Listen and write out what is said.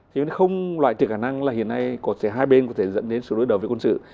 thế nên không loại trực khả năng là hiện nay có thể hai bên có thể dẫn đến sự đối đầu với quân sự